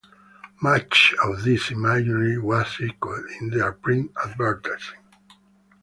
Much of this imagery was echoed in their print advertising.